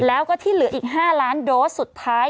แล้วก็ที่เหลืออีก๕ล้านโดสสุดท้าย